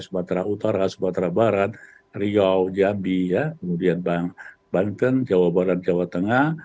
sumatera utara sumatera barat riau jambi ya kemudian banten jawa barat jawa tengah